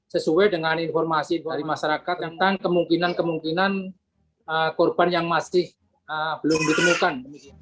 sesuai dengan informasi dari masyarakat tentang kemungkinan kemungkinan korban yang masih belum ditemukan